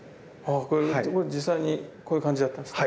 実際にこういう感じだったんですか？